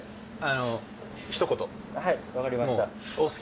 はい分かりました。